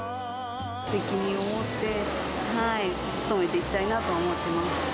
責任を持って努めていきたいなと思ってます。